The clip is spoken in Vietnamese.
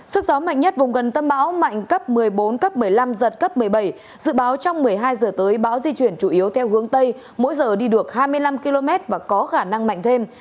sức gió mạnh nhất vùng gần tâm bão mạnh cấp một mươi bốn cấp một mươi năm giật cấp một mươi bảy dự báo trong một mươi hai giờ tới bão di chuyển chủ yếu theo hướng tây mỗi giờ đi được hai mươi năm km và có khả năng mạnh thêm